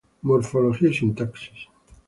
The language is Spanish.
Morfología y Sintaxis.